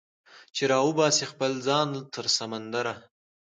چې راوباسي خپل ځان تر سمندره